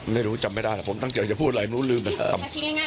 ไม่รู้จำไม่ได้แต่ผมตั้งเกี่ยวจะพูดอะไรมันรู้ลืมกัน